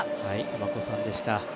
尼子さんでした。